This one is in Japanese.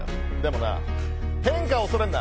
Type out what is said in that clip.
でもな、変化を恐れるな。